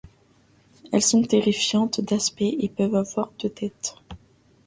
Elles sont terrifiantes d'aspect et peuvent avoir deux têtes.